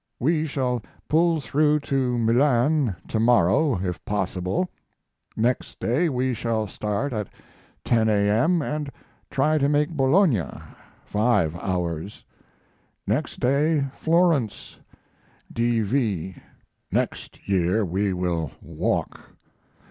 We shall pull through to Milan to morrow if possible. Next day we shall start at 10 AM and try to make Bologna, 5 hours. Next day, Florence, D. V. Next year we will walk.